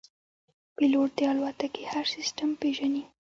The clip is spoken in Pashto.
پیلوټ د الوتکې هر سیستم پېژني.